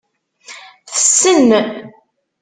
Tessen.